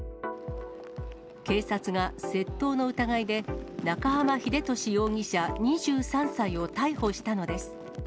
警察が窃盗の疑いで、中浜英寿容疑者２３歳を逮捕したのです。